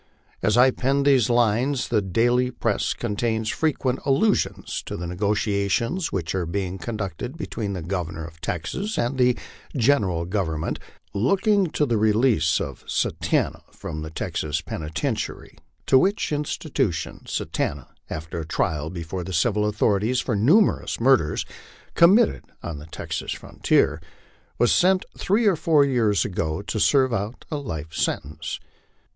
As I pen these lines, the daily press contains frequent allusions to the negotiations which are being conducted between the Governor of Texas and the General Government, looking to the release of Satanta from the Texas penitentiary, to which institution Satanta, after a trial before the civil authorities for numerous murders committed on the Texas frontier, was sent three or four years ago to serve out a life sentence.